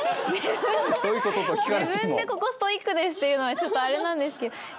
自分でここストイックですっていうのはちょっとあれなんですけど。